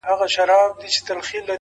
• په رڼا كي يې پر زړه ځانمرگى وسي؛